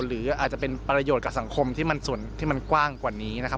หรืออาจจะเป็นประโยชน์กับสังคมที่มันส่วนที่มันกว้างกว่านี้นะครับ